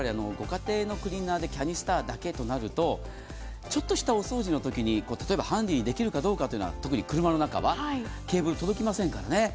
ご家庭のクリーナーでキャニスターだけとなると、ちょっとしたお掃除のときにハンディにできるかどうかというのは、特に車の中はケーブル届きませんからね。